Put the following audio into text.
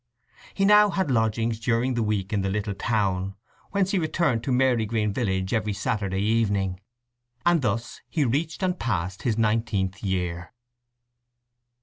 He now had lodgings during the week in the little town, whence he returned to Marygreen village every Saturday evening. And thus he reached and passed his nineteenth year.